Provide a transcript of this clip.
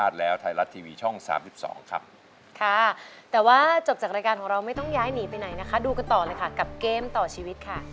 แต่ว่าจบจากรายการของเราไม่ต้องย้ายหนีไปไหนนะคะดูกันต่อเลยค่ะกับเกมต่อชีวิตค่ะ